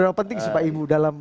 ya memang penting sih pak ibu dalam